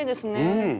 うん！